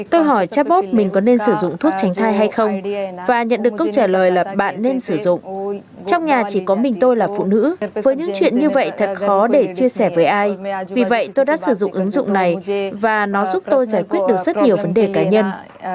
tôi hỏi chabot mình có nên sử dụng thuốc tránh thai hay không và nhận được câu trả lời là bạn nên sử dụng trong nhà chỉ có mình tôi là phụ nữ với những chuyện như vậy thật khó để chia sẻ với ai vì vậy tôi đã sử dụng ứng dụng này và nó giúp tôi giải quyết được rất nhiều vấn đề cá nhân